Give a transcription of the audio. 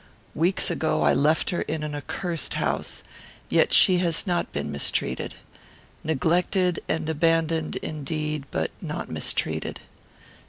Weeks ago, I left her in an accursed house; yet she has not been mistreated. Neglected and abandoned indeed, but not mistreated.